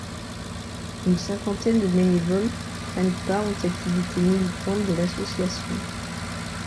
Une cinquantaine de bénévoles prennent part aux activités militantes de l’association.